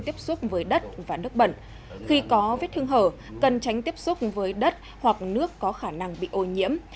tiếp xúc với đất và nước bẩn khi có vết thương hở cần tránh tiếp xúc với đất hoặc nước có khả năng bị ô nhiễm